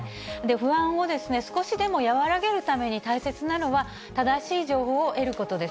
不安を少しでも和らげるために大切なのは、正しい情報を得ることです。